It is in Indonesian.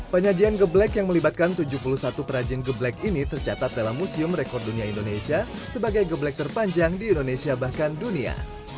penyajian geblek yang melibatkan tujuh puluh satu perajin geblek ini tercatat dalam museum rekor dunia indonesia sebagai geblek terpanjang di indonesia bahkan dunia